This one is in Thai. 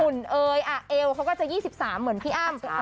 คุณเอ๋ยเอวเขาก็จะ๒๓เหมือนพี่อ้ำ